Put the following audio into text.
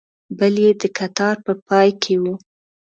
بل یې د کتار په پای کې و.